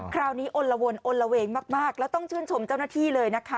รอละวนอนละเวงมากแล้วต้องชื่นชมเจ้าหน้าที่เลยนะคะ